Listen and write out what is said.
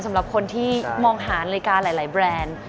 สำหรับคนที่มองหานาฬิกาหลายแบรนด์